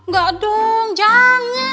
gak dong jangan